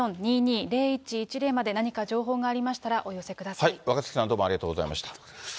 ０５５４ー２２ー０１１０まで、何か情報がありましたら、お寄せ若槻さん、どうもありがとうございました。